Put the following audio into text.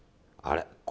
あれ？